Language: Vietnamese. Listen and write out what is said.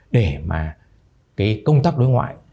để mà cái công tác đối ngoại